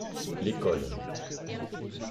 L'école.